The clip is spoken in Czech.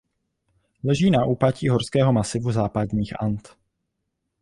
Leží na úpatí horského masivu západních And.